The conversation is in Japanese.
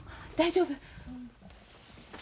大丈夫？